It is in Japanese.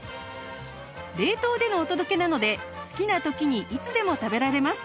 冷凍でのお届けなので好きな時にいつでも食べられます